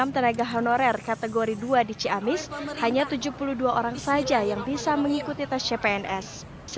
enam tenaga honorer kategori dua di ciamis hanya tujuh puluh dua orang saja yang bisa mengikuti tes cpns